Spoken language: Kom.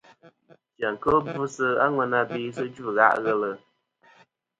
Chia kel gvɨsi a ŋwena be sɨ dzvɨ gha' ghelɨ.